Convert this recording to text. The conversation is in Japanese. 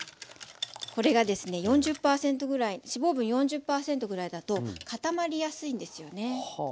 これがですね４０％ぐらい脂肪分４０％ぐらいだと固まりやすいんですよね。